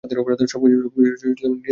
সবকিছু নিজের দখলে নেব!